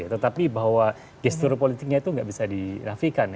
tetapi bahwa gestur politiknya itu nggak bisa dirafikan